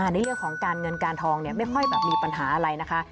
ในเรื่องของการเงินการทองไม่ค่อยแบบมีปัญหาอะไรนะคะ